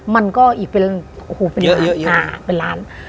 มันก็อีกเป็นโอ้โหเป็นล้านอีกเป็นล้าน